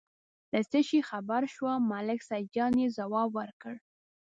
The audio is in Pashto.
له څه شي خبر شوم، ملک سیدجان یې ځواب ورکړ.